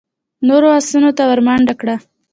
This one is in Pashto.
نورو آسونو ته ور منډه کړه.